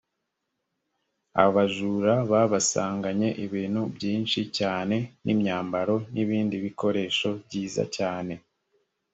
abajura babasanganye ibintu byinshi cyane n’ imyambaro nibindi bikoresho byiza cyane